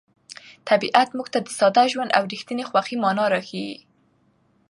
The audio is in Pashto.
طبیعت موږ ته د ساده ژوند او رښتیني خوښۍ مانا راښيي.